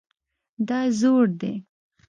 دا زوړ دی